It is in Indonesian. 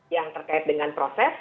yang terkait dengan proses